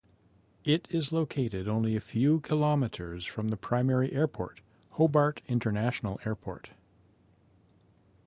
It is located only a few kilometres from the primary airport, Hobart International Airport.